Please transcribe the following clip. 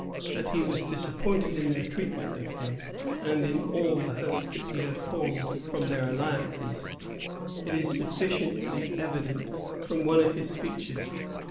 That he was disappointed in their treatment of him, and in all the hopes that he had formed from their alliance, is sufficiently evident from one of his speeches.